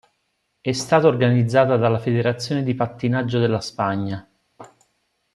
È stata organizzata dalla Federazione di pattinaggio della Spagna.